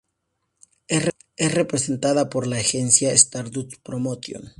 Es representada por la agencia Stardust Promotion.